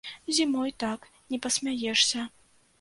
Зімой так не пасмяешся.